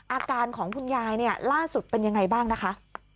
อาการของคุณยายเนี่ยล่าสุดเป็นยังไงบ้างนะคะ